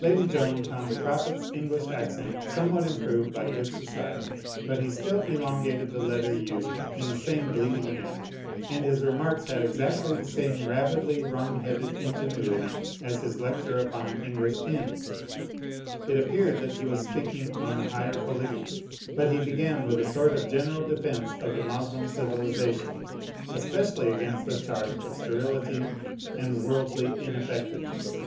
Lady Joan found the Prophet's English accent some what improved by good society, but he still elongated the letter "u" in the same bleating manner, and his remarks had exactly the same rabidly wrong headed ingenuity as his lecture upon English inns. It ap peared that he was speaking on the higher Polygamy; but he began with a sort of general defence of the Moslem civilisation, especially against the charge of sterility and worldly ineffectiveness.